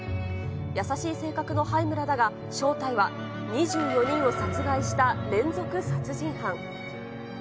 優しい性格の榛村だが、正体は２４人を殺害した連続殺人犯。